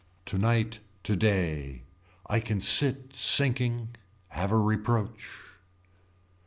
Tonight today. I can sit sinking. Have a reproach.